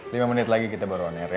lima menit lagi kita baru oner ya